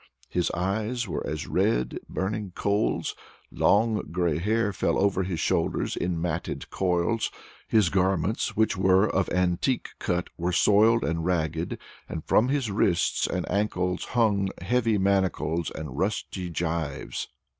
His eyes were as red burning coals; long gray hair fell over his shoulders in matted coils; his garments, which were of antique cut, were soiled and ragged, and from his wrists and ankles hung heavy manacles and rusty gyves.